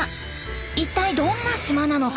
一体どんな島なのか？